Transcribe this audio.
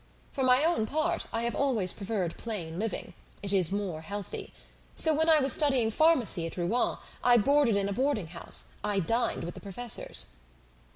For my own part, I have always preferred plain living; it is more healthy. So when I was studying pharmacy at Rouen, I boarded in a boarding house; I dined with the professors."